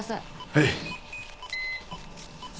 はい。